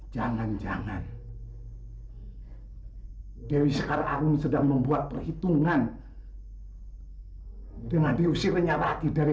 jangan jangan dewi sekarang sedang membuat perhitungan dengan diusir renyaraki dari